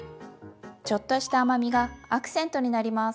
ちょっとした甘みがアクセントになります。